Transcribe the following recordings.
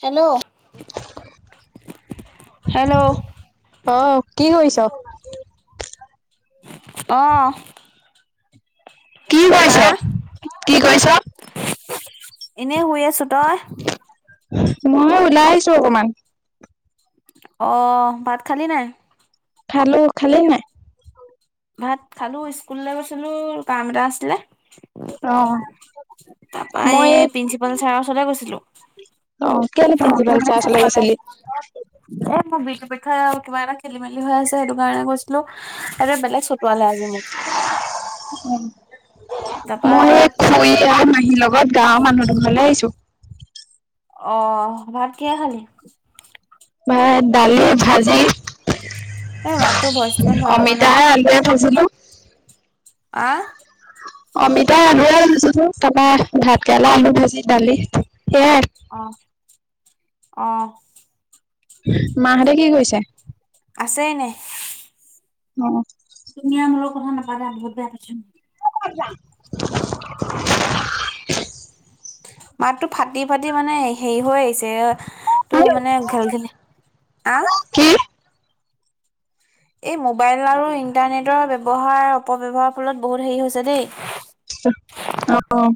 Hello hello আহ কি কৰিছ আহ কি কৰিৈছ কি কৰিৈছ এনেই শুই আছো তই মই ওলাই আহিছো অকমান অ ভাত খালি নাই খালো খালি নে ভাত খালো স্কুললৈ গৈছিলো কাম এটা আছিলে অ', তাৰাপা এই প্ৰিন্সিপাল ছাৰৰ ওচৰতে গৈছিলো অ', কেলে প্ৰিন্সিপাল ছাৰ ওচৰলৈ গৈছিলি? এ ম বজ প ক কিবা এটা খেলি মেলি হৈ আছে সেইটো কাৰণে কৈছিলো এ বেলেগ চতুৱালে আজি মোক উম তাৰপা মই খুুৰ মাহীৰ লগত গাঁৱৰ মানুহ দু ঘৰলৈ আহিছো আহ ভাত কি খালি বা দালি ভাজি এ মাততো ভইচটো ইমান ভাল অহা অমিতাে নাই আলডাই থৈছিলো আহ অমিতা আলুৰে ভজোো চাবা ভাত কেৰেলা আলু ভাজি দালি সেইয়াই আহ আহ মাহঁতে কি কৰিছে। আছে এনে অ তুমি আৰু মো লগত কথা নাপাতা বহুত বেয়া পাইছো [inaudible] মাততটো ফাটি ফাটি মানে হেৰি হৈ আহিছে। তে তটো মানে ঘেল ঘেলি আ কি? এই মোবাইল আৰু ইণ্টাৰনেটৰ ব্যৱহাৰ অপব্যহাৰৰ ফলত বহুত হেৰি হৈছে দেই আহ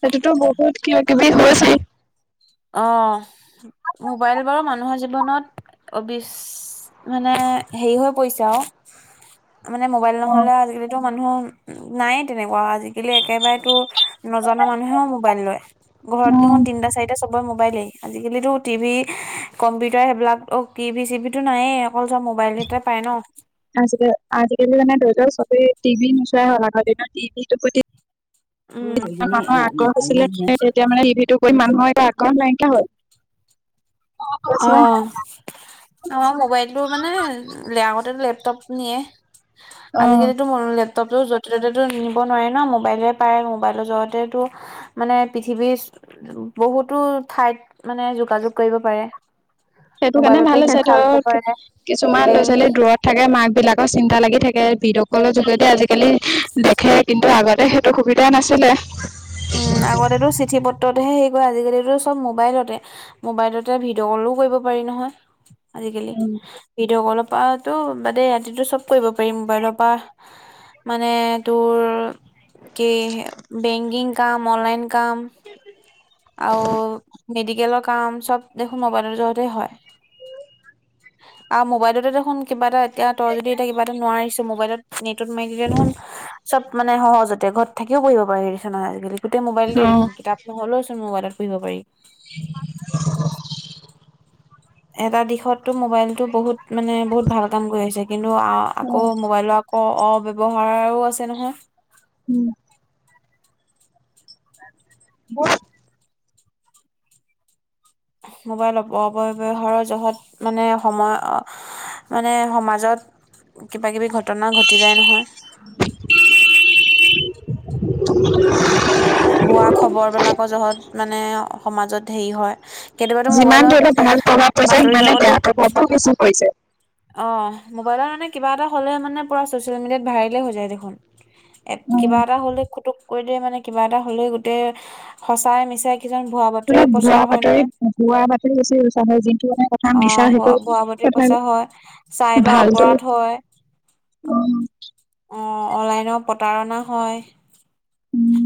সেইটোতো বহুত কিবা কিবিছিল। অ' মো'বাইল বাৰু মানুহৰ জীৱনত অবি মানে হেৰি হৈ পৰিছে আৰু মানে মোবাইল অ', নহ'লে আজিকিতো মানুহ নায়ে তেনেকুৱা আজিকালি একেবাৰেতো নজনা মানুহেও মোবাইল লয়। ঘৰত উম, দেখোন তিনিটা চাৰিতা চবৰে মোবাইলে আজিকালিো টিভি কম্পিউটাৰ সেইবিলাক অ টি ভ চি ভ টো নায়েই অকল মোবাইল এটা পাই ন আজ আজিকালি মানে ধৰি লওক চবেই টিভি নোচোৱাই হল আগৰ দিনত টিভি টো প্ৰতি সেইজনী মানুহৰ আগ্ৰহ হৈছিলে তেতিয়া মানে ইভিটো মানুহৰ এটা আকৰণ নাইিয়া হয় অ আমাৰ মোবাইলটো মানে লে আগতে লেপ পনিয়ে অ আজিকালিতো মনোলেপ লপটপটো য'তে ত'তে তো নিব নোৱাৰে ন মোবাইলে পাৰে মোবাইলৰ য্বতেতো মানে পৃথিৱীৰ বহুতো ঠাইত মানে যোগাযোগ কৰিব পাৰে। সেইটো কাৰণে মোবাইলতে ভাল আছে শিক্ষা ল'ব ধৰ পাৰে কিছুমান ল'ৰা বেংক ছোৱালী দূৰত থাকে মাক বিলাকৰ চিন্তা লাগি থাকে। বিদসকলৰ যোগেদি আজিকালি দেখে কিন্তু আগতে সেইটো সুবিধা নাছিলে। উম আগতেতো চিঠি পত্ৰতহে স আজিকালিো চব মোবাইলতে মোবাইলতে ভিডিঅ' কলো কৰিব পাৰি নহয়। আজিকালি ভিডিঅ' কলৰ পৰাতো বাদে ৰাতিটো চব কৰিব পাৰিম মোবাইলৰ পৰা মানে তোৰ কি বেংকিং কাম অনলাইন কাম আৰু মেডিকেলৰ কাম চব দেখোন মোবাইলৰ জতে হয় হয়। আৰু মোবাইলতেো দেখোন কিবা এটা এতিয়া তই যদি এতিয়া কিবা এটা নোৱাৰিছ মোবাইলত নেটত মাৰি দ দেখোন চব মানে সহজতে ঘৰত থিও পঢ়িব পাৰিছে মানে আজিকালি গোট মোবাইলতে অ দেখোন কিতাপ নহ'লেও মোবাইলত পহিব পাৰি এটা দিশতো মোবাইলতটো বহুত মানে বহুত ভাল কাম কৰি আহিছে কিন্তু আকৌ মোবাইলৰ অ' অ 'ব্যৱহাৰো আছে নহয়। মোবাইল এপৰ অপব্যৱহাৰৰ জহত মানে সময় মানে সমাজত কিবা কিবি ঘটনা ঘটি যায় নহয়। ভুৱা খৱৰ বিলাকৰ যহত মানে সমাজত হেৰি হয়। কেতিয়াবাতো যিমান মোবাইলত ধৰি লক ভাল প্ৰভাৱ পৰিছে বাতৰি সিমানে কাকতো বেয়াৰ প্ৰভাৱটো বেছি পৰিছে। অ' মো'বাইলৰ মানে কিবা এটা হলে মানে পুৰা ছচিয়েল মিডিয়াত ভাইৰেলে হৈ যায় দেখোন। এ উম কিবা এটা হ'লে খুটুক কৰি দিয়ে মানে কিবা এটা হ'লে গোটেই সঁচাই মিচাই কিছুমান ভুৱা বাতৰি অলপ ভুৱা প্ৰচাৰ হয় বাতৰি নহয়। ভুৱা বাতৰি বেছি ইউজ হয় যোনটো মানে কথা মিছা অ', সেইটো ভুৱা-ভুৱা বাতৰি। কথা প্ৰচাৰ হয়, চাইবাৰ ভালটো অপৰাধ হয়। অ', অ', অনলাইনৰ প্ৰতাৰণা হয়। উম,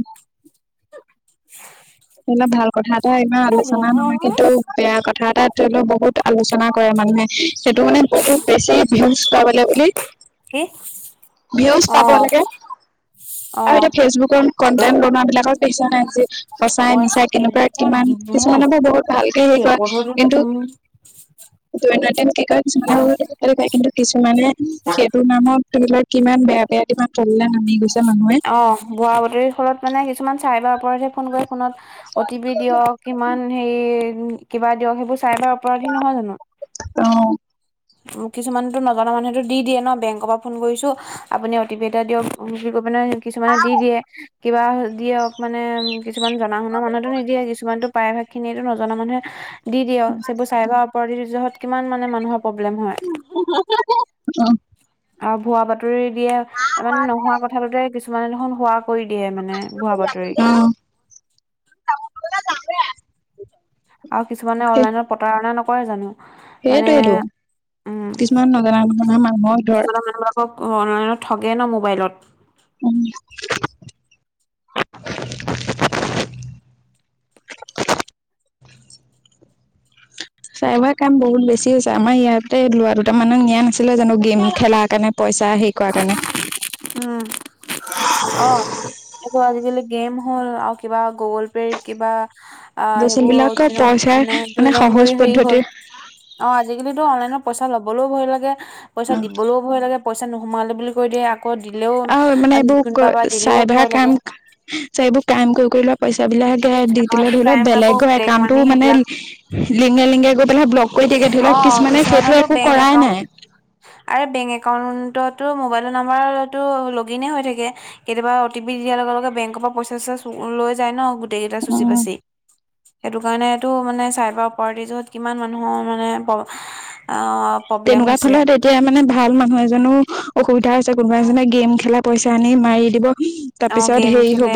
[inaudible] অলপ ভাল কথা এটা ইমান আলোচনা নহয় কিন্তু বেয়া কথা তাত ধৰি লওক বহুত আলোচনা কৰে মানুহে সেইটো মানে বহুত বেছি ভিউজ পাবলে বুলি [inaudible] ভিউজ পাব অ লাগে আৰু এতিয়া অ ফেচবুকৰ কন্টেন্ট বনোৱাবিলাকৰ [unintelligible] সঁচাই মিছাই কেনেকুৱা এনেকুৱা কিমান নেকি ন কিছুমানে আকৌ বহুত ভালকে হেৰি কৰে ৰেকৰ্ড হৈ কিন্তু থাকে। দৈনন্দিন কি কৰে কিছুমানে হেৰি কৰে, কিন্তু কিছুমানে সেইটোৰ নামত [unintelligible] কিমান বেয়া বেয়া কিমান তললে নামে। অ ভুৱা বাতৰি ফলত মানে কিছুমান চাইবাৰ অপৰাধিয়ে ফোন কৰি ফোনত অ'টিপি দিয়ক কিমান হে কিবা দিয়ক সেইবোৰ চাইবাৰ অপৰাধী নহয় জানো। অ উম কিছুমানতো নজনা মানুহেতো দি দিয়ে ন বেংকৰ পৰা ফোন কৰিছো আপুনি অ'টি পি এটা দিয়ক। অ বুলি কৈ পেলাই কিছুমানে দি দিয়ে কিবা দিয়ক মানে উম কিছুমান জনা শুনা মানুহেতো নিদিয়ে। কিছুমানতো প্ৰায়ভাগ খিনিয়েটো নজনা মানুহে দি দিয় সেইবোৰ চাইবাৰ অপৰাধি যহত কিমান মানে মানুহৰ প্ৰব্লেম হয় অ আৰু ভুৱা বাতৰি দিয়ে মানে ন কিছুমানে দেখোন হোৱা কৰি দিয়ে মানে ভুৱা বাতৰি। অ আৰু কিছুমানে অনলাইনত প্ৰতাৰণা নকৰে জানো। মানে সেইটোৱেতো, উম কিছুমান নজনা নুশুনা মানুহক ধৰ। নজনা মানুহবিলাকক অনলাইনত ঠগে ন মোবাইলত। উম। [inaudible] চাইবাৰ ক্ৰাইম বহুত বেছি হৈছে আমাৰ ইয়াতে ল'ৰা দুটা মানক নিয়া নাছিলে জানো গেম খেলা কাৰণে। পইচা হেৰি কৰা কাৰণে। উম। অ এইবোৰ আজিকালি গেম হ'ল আৰু কিবা গুগল পে' কিবা অ ল'ৰা ছোৱালী সেইবোৰ বিলাকৰ দুই নম পইচাৰ মানে দুই সহজ নম্বৰী হেৰি হ'ল। পদ্ধতিৰ অ আজিকালিটো অনলাইনৰ পইচা লবলৈও ভয় লাগে পইচা অ দিবলৈও ভয় লাগে পইচা নোসোমালে বুলি কৈ দিয়ে আকৌ দিলেও আৰু মানে এইবোৰ কোনবা বাৰ দিলেও চাইবাৰ ভয় লাগে। কাম চ এইবোৰ কাম কৰি কৰি লোৱা পইচাবিলাক তে দি দিলে আৰু ধৰি লক ক্ৰাইম এইবোৰ বেলেগৰ ব্লেক একাউণ্টো মানি মানে সেইবিলাক লিঙে লিঙে গৈ পেলাই ব্লক কৰি থাকে ধৰি অ লওক কিছুমানে সেইটো কিছুমানতো একো বেংক কৰাই একাউন্ট নাই। আৰে বেংক একাউণ্ট ততো মোবাইল নাম্বাৰতো লগ ইনে হৈ থাকে কেতিয়াবা অ'টি পি দিয়াৰ লগে লগে বেংকৰ পৰা পইচা চ লৈ যায় ন গো গোটেইগিটা চুচি উম। বাচি সেইতো কাৰণেটো মানে চাইবাৰ অপাৰেটিজত কিমান মানুহ মানুহৰ মানে প্ৰব্লেম তেনেকুৱাত হৈছে। হ'লে তেতিয়া মানে ভাল মানুহ এজনো অসুবিধা হৈছে কোনোবা এজনে গেম খেলা পইচা আনি মাৰি দিব অ' তাৰপিছত গেম হেৰি খেলে হ'ব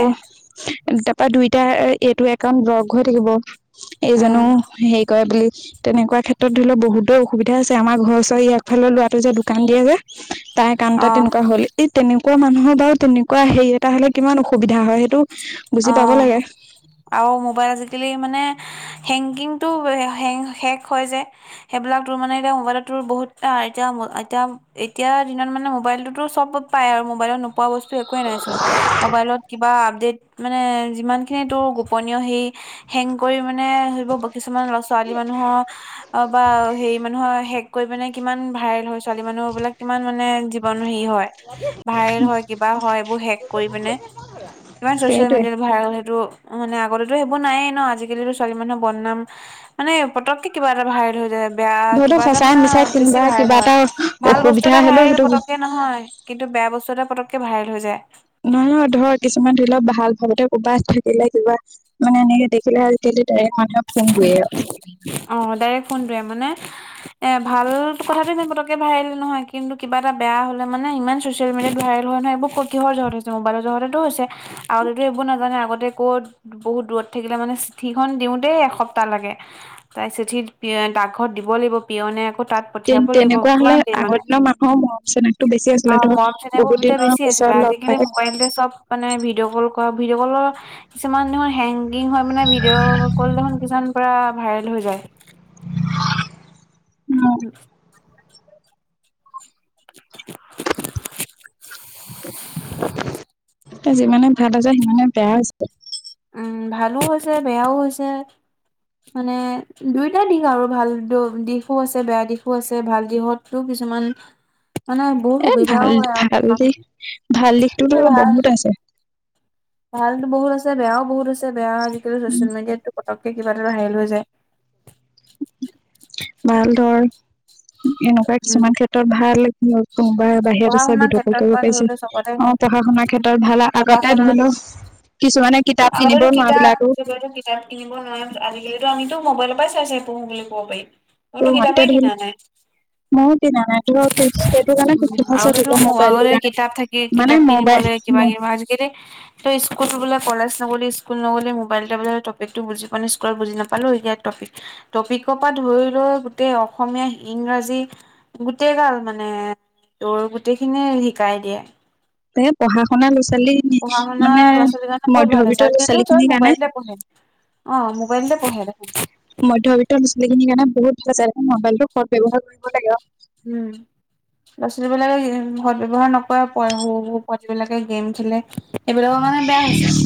তাৰাপা দুই এতিয়া এইটো একাউণ্ট ব্লক হৈ থাকিব উম, এইজনো হেৰি কৰে বুলি তেনেকুৱা ক্ষেত্ৰত ধৰি লওক বহুতেো অসুবিধা আছে আমাৰ ঘৰ ওৰ ইয়াৰফালে লৰাটো যে দোকান দিয়ে যে তাই কান তা অ', তেনেকুৱা হল এই তেনেকুৱা মানুহৰ বাৰু তেনেকুৱা হেৰি এটা হলে কিমান অসুবিধা হয় সেইটো অ বুজি পাব লাগে আৰু মোবাইল আজিকালি মানে হেংকিংটোে শেক হয় যে সেইবিলাক তোৰ মানে এতিয়া মোবাইলত ত বহুত এতিয়া এতিয়া এতিয়া দিনত মানে মোবাইলতোতো চব পাই আৰু মোবাইলত নোপোৱা বস্তু একোৱে নাই চোন মবাইলত কিবা আপডট মানে যিমান খিনি তোৰ গোপনীয় সেই সেং কৰি মানে ধৰিব কিছুমান লৰা ছোৱালী মানুহৰ অ বা হেৰি মানুহৰে কৰিৈ পিনে কিমান ভাইল হয় ছোৱালী মানুহবলাক কিমান মানে জীৱন হয় ভল হয় কিবা হয় এইবোৰ শেষ কৰি পিনে ছ'চেল সেইটোৱে মিডিয়াত ভৰাল সেইটো মানে আগতেতো সেইবোৰ নায়েই ন, আজিকালিতো ছোৱালী মানুহৰ বদনাম মানে পতককে কিবা এটা ভাইৰেল হৈ যায় বেয়া ধৰিলও কিবা এটা সঁচাই মানে মিছাই বেছি কোনোবা ভাইৰেল কিবা হয়, এটা ভাল বস্তু অসুবিধা এটা হলেও ভাইৰেল সেইটো পতককে নহয়, কিন্তু বেয়া বস্তু এটা পতককে ভাইৰেল হৈ যায়। নহয়- নহয় ধৰ কিছুমান ধৰি লওক ভাল ভাগতে ক'বাত থাকিলে কিবা মানে এনেকে দেখিলে আজিকালি ডাইৰেক্ট মানুহে ফোন দিয়ে অ', ডাইৰেক্ট ফোনটোৱে মানে এ ভাল কথাটো ইমান পততকে ভাইৰেল নহয় কিন্তু কিবা এটা বেয়া হ'লে মানে ইমান চচিয়েল মিডিয়াত ভাইৰেল হয় মানে এইবোৰ কত কিহৰ জহত হৈছে মোবাইলৰ জহতেটো হৈছে, আগতে এইবোৰ নাজানে আগতে ক'ত বহুত দূৰত থাক সেইগিলা মানে স্থি এখন দিওঁতেই এসপ্তাহ লাগে, [unintelligible] চিঠি এ দাকঘৰত দিব লাগিব পিয়নে। তাত পঠিয়াব লাগিব তেনেকুৱা হলে কিমান দেৰি আগৰ মানে, দিনৰ মানুহৰ মৰম চেনেহটো বেছি আছিলে অ' ধৰ মৰম চেনেহবোৰ বহুত তেতিয়া দিনৰ বেছি আছি লে, পিছত লগ আজিকালি পাই মোবাইলটোৱে চব মানে ভিডিঅ' কল কৰা ভিডিঅ' কলৰ কিছুমানৰ হেংগিং হয় মানে ভিডিঅ' কল দেখোন কিছুমান পৰা ভাইৰেল হৈ যায়। [inaudible] এ যিমানে ভাল হৈছে সিমানে বেয়া হৈছে। উম ভালো হৈছে বেয়াও হৈছে। মানে দুইটা দিশ আৰু ভাল দিশো আছে, বেয়া দিশো আছে ভাল দিশতো কিছুমান মানে বহুত এ সুবিধাও ভাল হয় আৰু ভাল, দিশ ভাল দিশটোতো এ ভাল বহুত আছে। ভালতো বহুত আছে বেয়াও বহুত আছে বেয়া আজিকালি উম, চচিয়েল মেডিয়াতো পটককে কিবা এটা ভাইৰেল হৈ যায়। ভাল ধৰ এনেকুৱা উম কিছুমান ক্ষেত্ৰত ভাল কোনোবাই বাহিৰত পঢ়া আছে শুনাৰ ভিডিঅ' কল ক্ষেত্ৰত পৰা কৰিব ধৰি পাৰিছো লৈ চবতে হয় অ' পঢ়া শুনাৰ ক্ষেত্ৰত ভাল আগতে ধৰি ল আগটো কিতাপ, এতিয়াটো কিতাপ কিনিব নালাগে আজিকালি টো আমিতো মোবাইলৰ পৰা চাই- চাই পঢ়ো বুলি ক'ব পাৰি। মইতো তোৰ মাতটো কিতাপেই কিনা দেখোন, নাই মোৰো কিনা নাই [unintelligible] সেইটো কাৰণে আছে আৰু ধৰি সেইটো লও মোবাইলটো [unintelligible] কাৰণে কিতাপ থাকে মানে কিতাপ মোবাইল কিনিবলে কিবা-কিবা, আজিকালি টো স্কুল বুলে কলেজ নগ'লি স্কুল নগ'লি মোবাইলতে বুলে টপিকটো বুজি পোৱা নাই, স্কুলত বুজি নাপালো এতিয়া টপিক - টপিক টপিকৰ পৰা ধৰি লৈ গোটেই অসমীয়া ইংৰাজী গোটেই গাল মানে তোৰ গোটেইখিনিয়ে শিকাই দিয়ে। তে পঢ়া শুনা বেছ [unintelligible] পঢ়া শুনা মানে ল'ৰা ছোৱালীৰ কাৰণে বহুত মধ্য ভাল হৈছে বিত্ত ল'ৰা আজিকালিতো চব ছোৱালীখিনি কাৰণে মোবাইলতে পঢ়ে অ মোবাইলতে পঢ়ে দেখোন মধ্য বিত্ত ল'ৰাছোৱালীখিনি কাৰণে বহুত ভাল হৈছে, [unintelligible] ম'বাইলটো সৎ ব্যৱহাৰ কৰিব লাগে আৰু। উম। ল'ৰা ছোৱালীবিলাকে সৎ ব্যৱহাৰ নকৰে, পোৱালী সৰু - সৰু পোৱালীবিলাকে গেম খেলে। এইবিলাকৰ কাৰণে বেয়া হৈছে।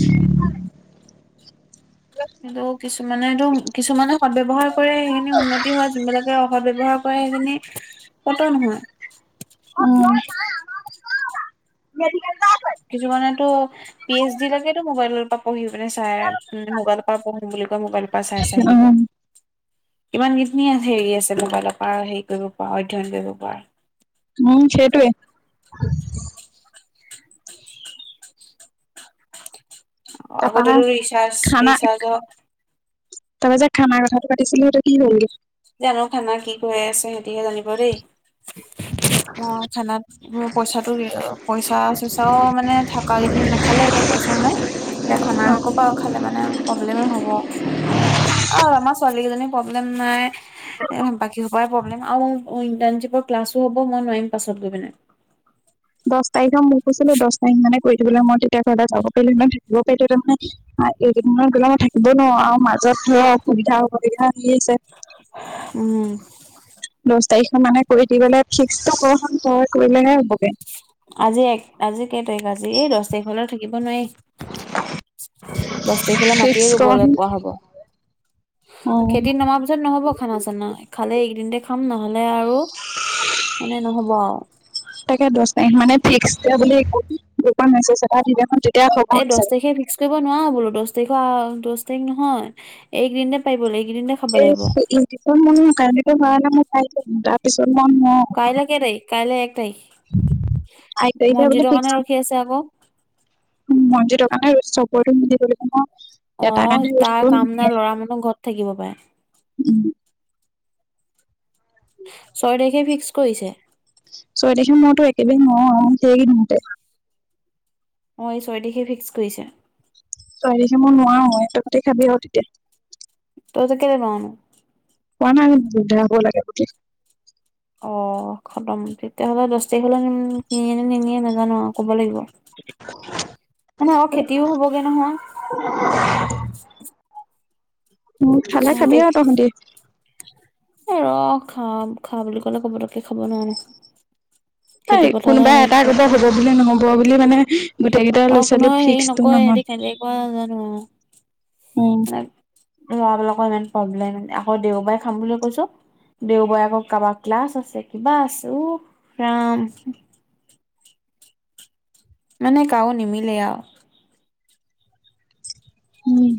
কিন্তু কিছুমানেটো কিছুমানে সদব্যৱহাৰ কৰে সেইখিনিৰ উন্নতি হয় যোনবিলাকে অসৎব্যৱহাৰ কৰে সেইখিনিৰ পতন হয়। উম্। কিছুমানেতো পি এইচ ডি লৈকেটো মোবাইলৰ পৰা পঢ়ি পেলাই চাই মোবাইলৰ পৰা পঢ়ে [unintelligible] মোবাইলৰ পা চাই- চাই এনেকুৱা। উম, কিমান কিখিনী হেৰি আছে মোবাইলৰ পৰা হেৰি কৰিব পৰা অধ্যয়ন কৰিব পৰা। উম সেইটোৱে। তাৰপা হা আগতেতো ৰিচাৰ্জ খানা, ৰিচাৰ্জৰ তাৰপা যে খানা কথাটো পাতিছিলো এতিয়া কি হ'লগে। জানো খানা কি কৰি আছে সিহতিহে জানিব দেই। অ' খানাত মোৰ পইচাটো পইচা চইচাও মানে থা কা কিদিনা নাখালে এতিয়া পইচা নাই এতিয়া খানা অ, আও ক'পা আও খালে মানে [unintelligible] হ'ব আৰু আমাৰ ছোৱালী কেইজনী প্ৰব্লেম নাই বাকী স্লেম আৰুপ ক্লাছো হব মই নোৱাৰিম পাছত গৈ পিাই দহ তাৰিখক মই কৈছিলো দহ তাৰিখ মানে কৰি থাকিবলৈ মই তেতিয়া ঘৰ যাব পাৰিলো নহয় থাকিব পাৰিলো নহয় এইকেইদিনত গ'লে মই থাকিবই নোৱাৰো আৰু মাজত ধৰ অসুবিধা হ'বলগীয়া আহ আছে উম তাৰিখ মানে কৰি দিবলে ফিক্সটো গ্ৰ তয়াৰ কৰিলেহে হ'বগৈ আজি এক আজি কেই তাৰিখ আজি এই দহ তাৰিখলৈ থাকিব নোৱাৰি দহ তাৰিখলৈ মায়ে ফিক্স কৰচোন। ৰুবলৈ পোৱা হব অ, খেতি নমাৰ পিছত নহ'ব খানা চানা খালে এইকদিনতে খাম নহলে আৰু মানে নহব আৰু তাকে দহ মানে ফ্স বুলি গ্ৰপৰ মেজ এটা দি এই দহ তাৰিখে ফিক্স কৰিব নোৱাৰা বোলো দহ তাৰিখ দহ তাৰিখ নহয় একদিনতে পাৰিব লাগিব এইকেইদিনতে খাব এ লাগিব। ইটো ম কাৰণো ভৰা নাই মই চাইছিলো তাৰ পিছত কাইলৈ কেৰে কাইলৈ এক আঠ মনজিৰ কাৰণে ৰখি আছে আকৌ মন্জি দ কাৰণে চবৰো ম দিব লাগিব ন অ এটাৰ কাৰণে ৰৈ তাৰ থাকিব কাম ন নালাগে লৰা মানুহ ঘৰত থাকিব পাৰে উম ছয় তাৰিখে ফিক্স কৰিছে চয় তাৰিখে মইতো একেবেই নোৱাৰো তেগ নিন্তে অঁ এই ছয় তাৰিখে ফিক্স কৰিছে তইৰিখে মই নোৱাৰো এ ত কাতে খাবি আৰু তেতিয়া তইত কেলৈ মন পোৱা নব লাগে অ খতম তেতিয়াহ'লে দহ তাৰিখলৈ কিনে নে নিনিয়ে নাজানো আৰু ক'ব লাগিব নহ অ খেতিও হ'বগে নহয় খালে ছয় খাবি আৰু তাৰিখে তহঁতি ৰ খা খা বুলি ক'লে কবতকে খাব নোৱানে কোনোবাই এটা ক হব বুলি নহব বুলি মানে গোটেই কেইটা অ ল'ৰা কোনো ছোৱালী হেৰি ফিক্সটো নকয় নহয় উম লৰাবলাকৰ ইমান প্ৰব্লেম আকৌ দেওবাৰে খাম বুলি কৈছো দেওবাৰোকৰ কাৰোবাক ক্লাছ আছে কিবা আছেো উ ৰাম মানে কাওো নিমিলে আৰু উম